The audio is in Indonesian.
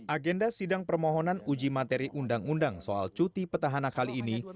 agenda sidang permohonan uji materi undang undang soal cuti petahana kali ini